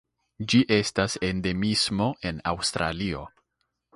Ĝi estas endemismo en Aŭstralio.